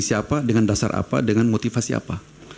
siapa dengan dasar apa dengan motivasi apa